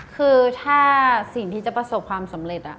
คือถ้าสิ่งที่จะประสบความสำเร็จ